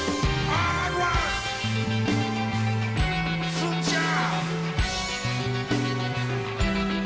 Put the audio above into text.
つーちゃん。